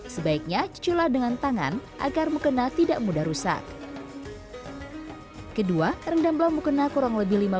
sebaiknya cicula dengan tangan agar mukena tidak mudah rusak kedua rendam belum mukena kurang lebih